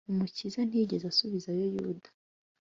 umukiza ntiyigeze asubizayo yuda